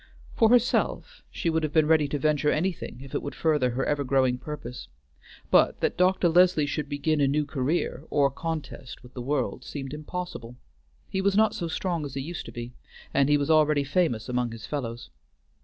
For herself, she would have been ready to venture anything if it would further her ever growing purpose; but that Dr. Leslie should begin a new career or contest with the world seemed impossible. He was not so strong as he used to be, and he was already famous among his fellows.